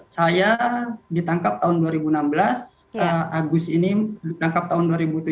saya ditangkap tahun dua ribu enam belas agus ini ditangkap tahun dua ribu tujuh belas